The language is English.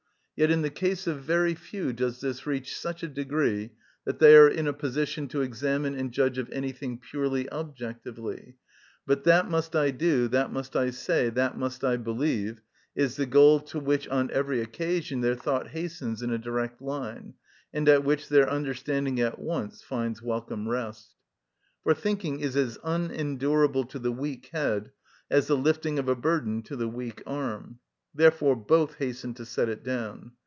Yet in the case of very few does this reach such a degree that they are in a position to examine and judge of anything purely objectively; but "that must I do, that must I say, that must I believe," is the goal to which on every occasion their thought hastens in a direct line, and at which their understanding at once finds welcome rest. For thinking is as unendurable to the weak head as the lifting of a burden to the weak arm; therefore both hasten to set it down.